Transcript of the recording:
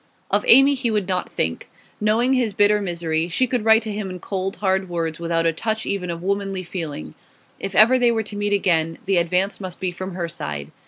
Of Amy he would not think. Knowing his bitter misery, she could write to him in cold, hard words, without a touch even of womanly feeling. If ever they were to meet again, the advance must be from her side.